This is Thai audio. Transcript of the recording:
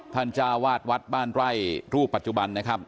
จ้าวาดวัดบ้านไร่รูปปัจจุบันนะครับ